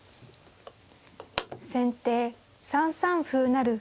先手３三歩成。